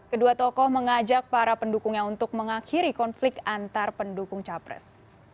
kedua tokoh mengajak para pendukungnya untuk mengakhiri konflik antar pendukung capres